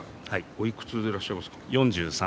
おいくつでいらっしゃいますか？